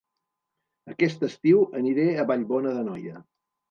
Aquest estiu aniré a Vallbona d'Anoia